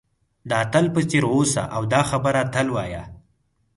د اتل په څېر اوسه او دا خبره تل وایه.